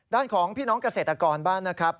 ด้านของพี่น้องเกษตรกรบ้านนะครับ